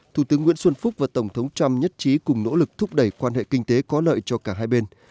thủ tướng nguyễn xuân phúc và tổng thống trump nhất trí cùng nỗ lực thúc đẩy quan hệ kinh tế có lợi cho cả hai bên